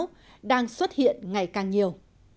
điều này đang xuất hiện ngày càng nhiều